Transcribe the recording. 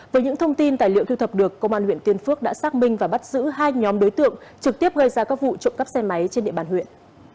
với những thông tin tài liệu thu thập được công an huyện tiên phước đã xác minh và bắt giữ hai nhóm đối tượng trực tiếp gây ra các vụ trộm cắp xe máy trên địa bàn huyện